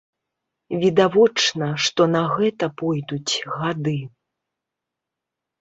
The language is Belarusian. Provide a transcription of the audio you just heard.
Відавочна, што на гэта пойдуць гады.